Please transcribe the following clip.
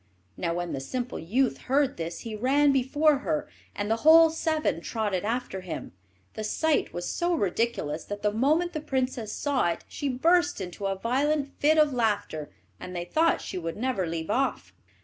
Now, when the simple youth heard this, he ran before her, and the whole seven trotted after him. The sight was so ridiculous that the moment the princess saw it she burst into a violent fit of laughter and they thought she would never leave off.